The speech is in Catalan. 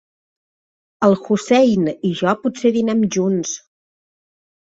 El Hussein i jo potser dinem junts.